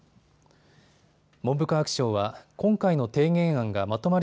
文部科学省は今回の提言案がまとまり